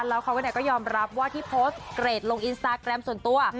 แล้วเขาก็ยอมรับว่าที่โพสต์เกรดลงอินสตาแกรมส่วนตัว